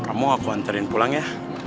kamu aku antarin pulang ya